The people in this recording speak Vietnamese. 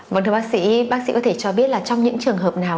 một thưa bác sĩ bác sĩ có thể cho biết là trong những trường hợp nào